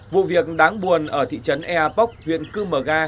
vụ việc đáng buồn ở thị trấn eapok huyện cư mờ ga